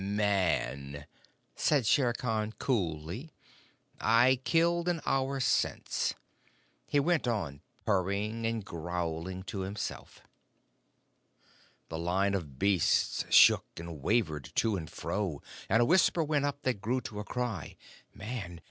"Man!" said Shere Khan coolly, "I killed an hour since." He went on purring and growling to himself. The line of beasts shook and wavered to and fro, and a whisper went up that grew to a cry: "Man!